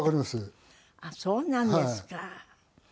あっそうなんですか。